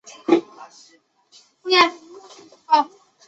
详细内容和来源请阅读分别的介绍文章。